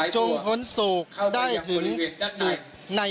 จงผลโศกได้ถึงในบริเวณด้านใด